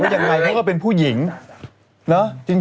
ก็เป็นผู้หญิง